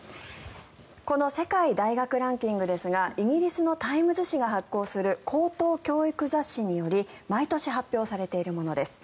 この世界大学ランキングですがイギリスのタイムズ紙が発表する高等教育雑誌により毎年、発表されているものです。